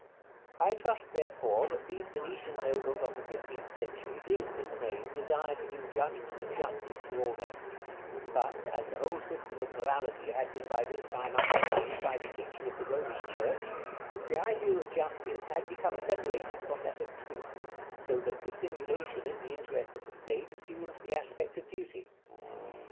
I trust, therefore, that these Venetian nobles of the fifteenth century did, in the main, desire to do judgment and justice to all men; but, as the whole system of morality had been by this time undermined by the teaching of the Romish Church, the idea of justice had become separated from that of truth, so that dissimulation in the interest of the state assumed the aspect of duty.